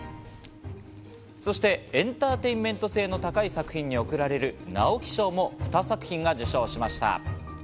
そしてエンターテインメント性の高い作品に贈られる直木賞も２作品が受賞しました。